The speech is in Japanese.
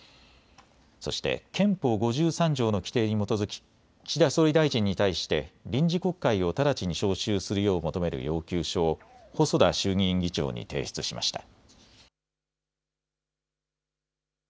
そして憲法５３条の規定に基づき岸田総理大臣に対して臨時国会を直ちに召集するよう求める要求書を細田衆議院議長に提出しました。